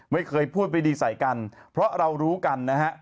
ไม่เคยพูดไม่ดีใส่กันเพราะเรารู้กันนะฮะ